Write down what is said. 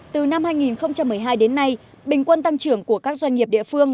từ năm hai nghìn một mươi hai đến nay bình quân tăng trưởng của các doanh nghiệp địa phương